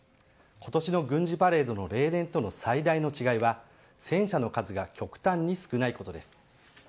今年の軍事パレードの例年との最大の違いは戦車の数が極端に少ないことです。